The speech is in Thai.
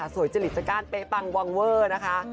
สวยจริงจังการเปปังว่างเวอร์นะคะ